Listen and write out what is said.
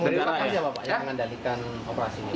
yang mengendalikan operasi ini